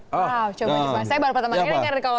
wow coba coba saya baru pertama kali dengar kalau